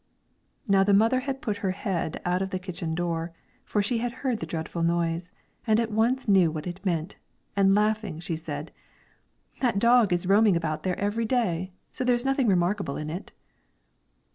Now the mother had put her head out of the kitchen door, for she had heard the dreadful noise, and at once knew what it meant; and laughing, she said, "That dog is roaming about there every day, so there is nothing remarkable in it."